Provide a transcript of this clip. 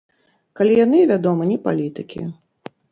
Калі яны, вядома, не палітыкі.